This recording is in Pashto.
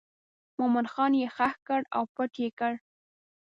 مومن خان یې ښخ کړ او پټ یې کړ.